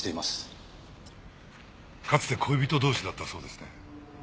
かつて恋人同士だったそうですね。